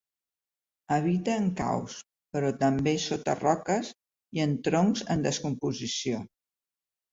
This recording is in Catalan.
Habita en caus, però també sota roques i en troncs en descomposició.